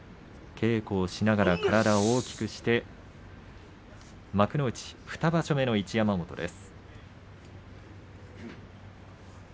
稽古をしながら体を大きくして幕内２場所目の一山本です。